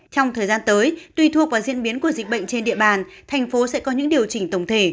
trong thời gian tới tùy thuộc vào diễn biến của dịch bệnh trên địa bàn thành phố sẽ có những điều chỉnh tổng thể